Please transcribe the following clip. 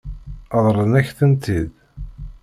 Ṛeḍlen-ak-tent-id?